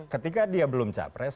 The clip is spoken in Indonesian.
ketika dia belum capres